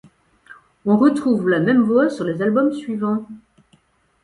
On retrouve la même voix sur les albums suivants.